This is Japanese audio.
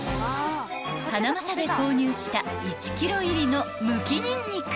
［ハナマサで購入した１ｋｇ入りのむきニンニク］